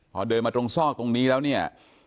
พอเดินมาตรงซอกตรงนี้แล้วเนี่ย